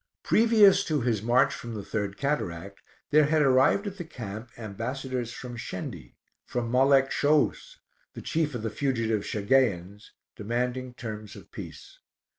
Previous to his march from the third cataract, there had arrived at the camp ambassadors from Shendi, from Malek Shouus, the chief of the fugitive Shageians, demanding terms of peace.